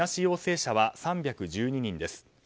陽性者は３１２人です。